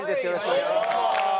お願いします。